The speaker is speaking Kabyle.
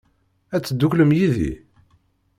Ad tedduklem yid-i?